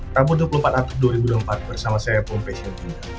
rabu dua puluh empat april dua ribu empat bersama saya pungpesi hingga